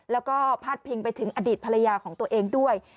แล้วก็พาดพิงไปถึงอดีตภรรยาของตัวเองด้วย